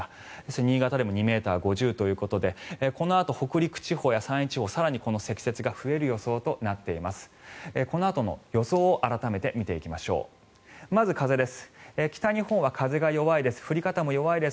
新潟でも２ｍ５０ｃｍということでこのあと北陸地方や山陰地方はこの積雪が更に増える予想となっています。